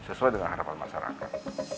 sesuai dengan harapan masyarakat